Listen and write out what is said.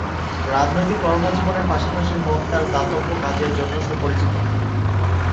রাজনৈতিক কর্মজীবনের পাশাপাশি হক তার দাতব্য কাজের জন্য সুপরিচিত।